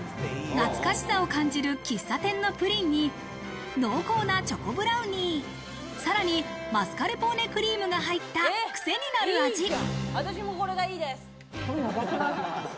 懐かしさを感じる喫茶店のプリンに濃厚なチョコブラウニー、さらにマスカルポーネクリームが入ったくせになる味。